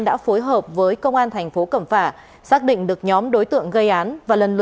đã phối hợp với công an thành phố cầm phà xác định được nhóm đối tượng gây án